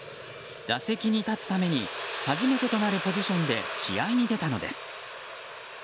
打席に立つために初めてとなるポジションで試合に出たのです。